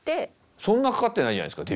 そんなかかってないんじゃないですか？